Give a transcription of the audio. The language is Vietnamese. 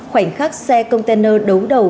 khoảnh khắc xe container đấu đầu